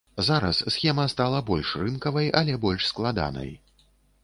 Зараз схема стала больш рынкавай, але больш складанай.